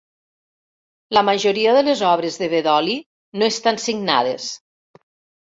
La majoria de les obres de Bedoli no estan signades.